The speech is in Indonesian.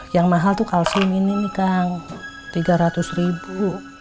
yang mahal tuh kalsium ini nih kang tiga ratus ribu